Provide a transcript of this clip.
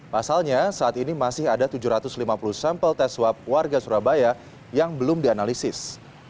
pasalnya saat ini masih ada tujuh ratus lima puluh sampel tes swab warga surabaya yang belum dianalisis